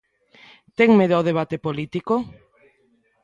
¿Ten medo ao debate político?